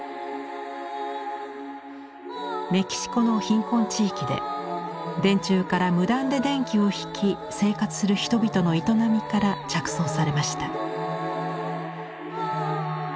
メキシコの貧困地域で電柱から無断で電気を引き生活する人々の営みから着想されました。